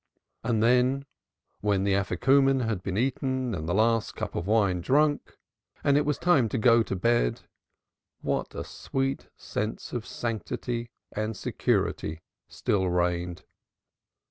And then, when the Ajikuman had been eaten and the last cup of wine drunk, and it was time to go to bed, what a sweet sense of sanctity and security still reigned.